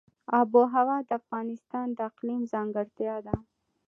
آب وهوا د افغانستان د اقلیم ځانګړتیا ده.